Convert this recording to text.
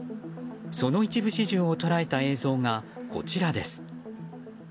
その一部始終を捉えた映像がこちらです。